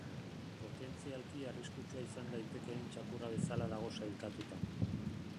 Potentzialki arriskutsua izan daitekeen txakurra bezala dago sailkatuta.